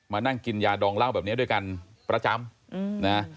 มานั่งกินยาดองเหล้าแบบนี้ด้วยกันประจำนะ